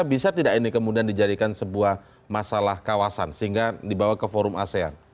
bisa tidak ini kemudian dijadikan sebuah masalah kawasan sehingga dibawa ke forum asean